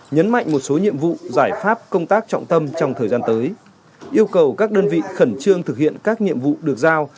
nhấn mạnh một số nhiệm vụ giải pháp công tác trọng tâm trong thời gian tới yêu cầu các đơn vị khẩn trương thực hiện các nhiệm vụ được giao